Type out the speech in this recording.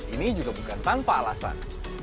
ini juga bukan tanpa alasan